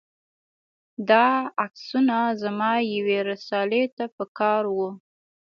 دا عکسونه زما یوې رسالې ته په کار و.